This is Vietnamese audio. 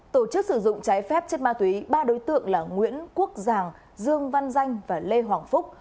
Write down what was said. tổ chức sử dụng trái phép chất ma túy ba đối tượng là nguyễn quốc giàng dương văn danh và lê hoàng phúc